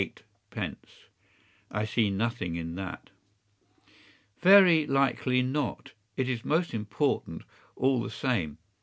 ’ I see nothing in that.” “Very likely not. It is most important, all the same.